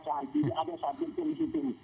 tidak ada satu pun